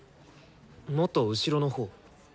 もっと後ろのほう。